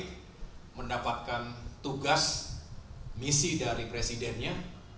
kami mendapatkan tugas misi dari presidennya